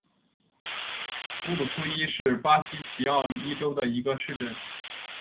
乌鲁苏伊是巴西皮奥伊州的一个市镇。